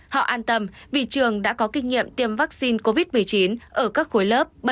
họ an tâm vì trường đã có kinh nghiệm tiêm vaccine covid một mươi chín ở các khối lớp bảy tám chín